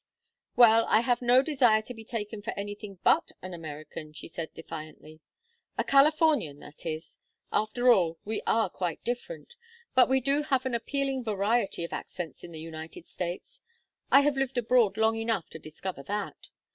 "Well, I have no desire to be taken for anything but an American," she said, defiantly. "A Californian, that is. After all, we are quite different. But we do have an appalling variety of accents in the United States. I have lived abroad long enough to discover that.